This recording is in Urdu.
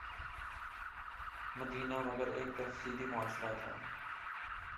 مدینہ مگر ایک تکثیری معاشرہ تھا۔